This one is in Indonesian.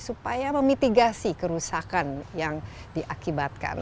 supaya memitigasi kerusakan yang diakibatkan